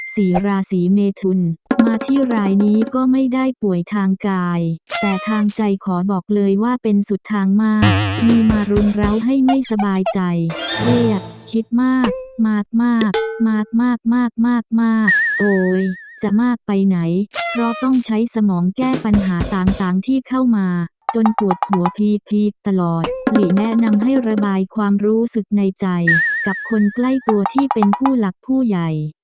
สี่ราศีเมทุนมาที่รายนี้ก็ไม่ได้ป่วยทางกายแต่ทางใจขอบอกเลยว่าเป็นสุดทางมากมีมารุมเราให้ไม่สบายใจเรียกคิดมากมากโอ๊ยจะมากไปไหนเพราะต้องใช้สมองแก้ปัญหาต่างที่เข้ามาจนปวดหัวพีพีคตลอดหลีแนะนำให้ระบายความรู้สึกในใจกับคนใกล้ตัวที่เป็นผู้หลักผู้ใหญ่